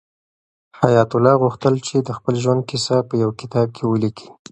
حیات الله غوښتل چې د خپل ژوند کیسه په یو کتاب کې ولیکي.